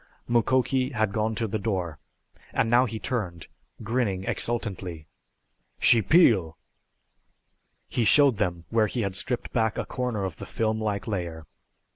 Mukoki had gone to the door, and now he turned, grinning exultantly. "She peel!" He showed them where he had stripped back a corner of the film like layer.